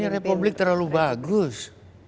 ini republik terlalu bagus